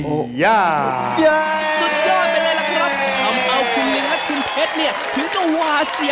ถึงตัวหวาเสียวไปตามกันเลยนะ